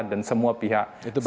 dan semua pihak sangat dibutuhkan